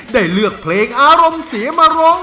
ได้เลือกเพลงอารมณ์เสียมาร้อง